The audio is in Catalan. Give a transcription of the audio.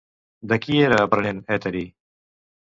De qui era aprenent Eteri?